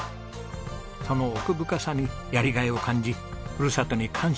その奥深さにやりがいを感じふるさとに感謝する日々です。